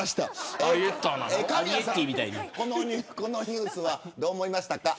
神谷さん、このニュースはどう思いましたか。